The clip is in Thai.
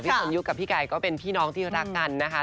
สนยุคกับพี่ไก่ก็เป็นพี่น้องที่รักกันนะคะ